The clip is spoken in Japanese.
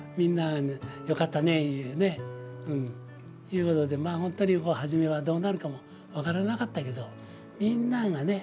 いうことでまあほんとに初めはどうなるかも分からなかったけどみんながね